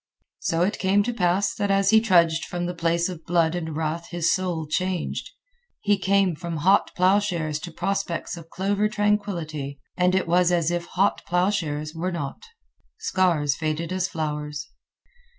So it came to pass that as he trudged from the place of blood and wrath his soul changed. He came from hot plowshares to prospects of clover tranquilly, and it was as if hot plowshares were not. Scars faded as flowers.